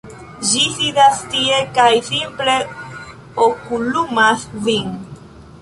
ĝi sidas tie kaj simple okulumas vin.